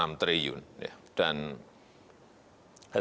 dan ini juga sangat baik